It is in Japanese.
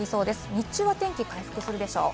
日中は天気回復するでしょう。